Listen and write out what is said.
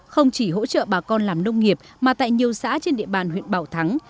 không chỉ hỗ trợ bà con làm nông nghiệp mà tại nhiều xã trên địa bàn huyện bảo thắng